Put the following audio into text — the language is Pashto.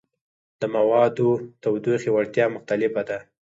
د موادو تودوخې وړتیا مختلفه ده.